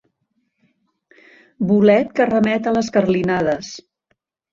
Bolet que remet a les carlinades.